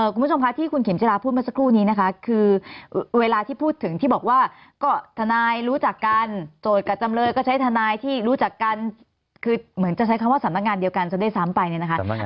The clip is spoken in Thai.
คุณผู้ชมคะที่คุณเข็มจิลาพูดมาสักครู่นี้นะคะคือเวลาที่พูดถึงที่บอกว่าก็ทนายรู้จักกันโจทย์กับจำเลยก็ใช้ทนายที่รู้จักกันคือเหมือนจะใช้คำว่าสำนักงานเดียวกันซะด้วยซ้ำไปเนี่ยนะคะ